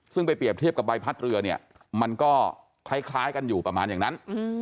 ซึ่งไปเปรียบเทียบกับใบพัดเรือเนี่ยมันก็คล้ายกันอยู่ประมาณอย่างนั้น